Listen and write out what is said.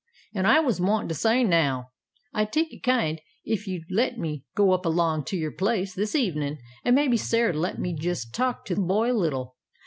An' as I was wantin' to say now, I'd take it kind ef you'd let me go up along to your place this evenin', and maybe Sarah'd let me jest talk to the boy a little.